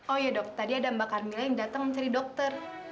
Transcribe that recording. oh iya dok tadi ada mbak carmila yang datang mencari dokter